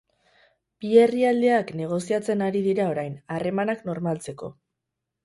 Bi herrialdeak negoziatzen ari dira orain, harremanak normaltzeko.